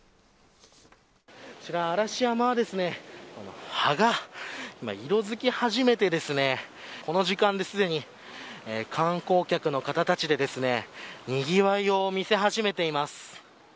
こちら嵐山は葉が今、色づき始めてこの時間で、すでに観光客の方たちでにぎわいを見せ始めています。